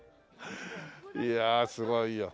いやあすごいよ。